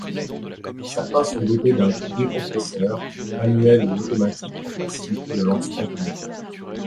Certains sont dotés d'un décompresseur, manuel ou automatique, pour faciliter le lancement du moteur.